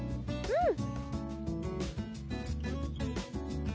うん！